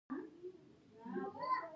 سږي د سینې د قفس په دواړو خواوو کې پراته دي